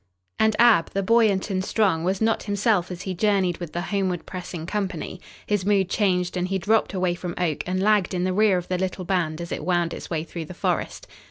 And Ab, the buoyant and strong, was not himself as he journeyed with the homeward pressing company. His mood changed and he dropped away from Oak and lagged in the rear of the little band as it wound its way through the forest.